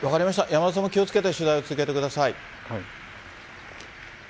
山田さんも気をつけて取材を続けてください。